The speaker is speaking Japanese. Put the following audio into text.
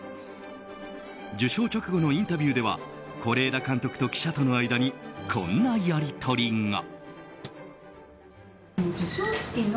受賞直後のインタビューでは是枝監督と記者との間にこんなやり取りが。